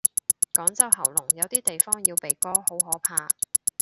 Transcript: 廣州喉嚨，有啲地方要鼻哥，好可怕。